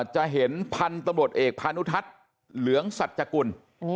จะเห็นพันธุ์ตำรวจเอกพานุทัศน์เหลืองสัจกุล